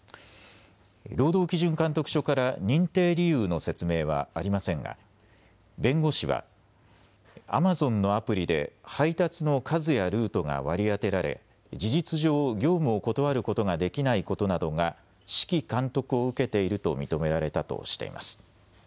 労働基準監督署から認定理由の説明はありませんが弁護士はアマゾンのアプリで配達の数やルートが割り当てられ事実上、業務を断ることができないことなどが指揮・監督を受けていると認められたとしています。